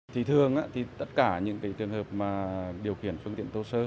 thì thường tất cả những trường hợp điều khiển phương tiện thô sơ